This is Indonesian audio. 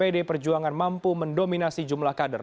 pdi perjuangan mampu mendominasi jumlah kader